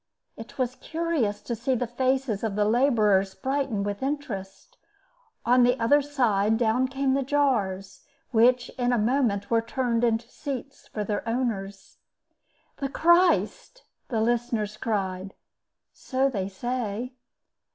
It was curious to see the faces of the laborers brighten with interest; on the other side down came the jars, which, in a moment, were turned into seats for their owners. "The Christ!" the listeners cried. "So they say."